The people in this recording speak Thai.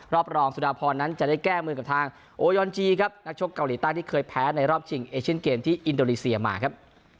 รองสุดาพรนั้นจะได้แก้มือกับทางโอยอนจีครับนักชกเกาหลีใต้ที่เคยแพ้ในรอบชิงเอเชียนเกมที่อินโดนีเซียมาครับ